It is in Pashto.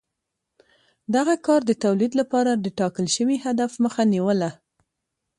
دغه کار د تولید لپاره د ټاکل شوي هدف مخه نیوله